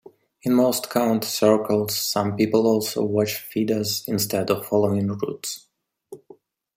In most count circles, some people also watch feeders instead of following routes.